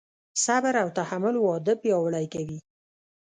صبر او تحمل واده پیاوړی کوي.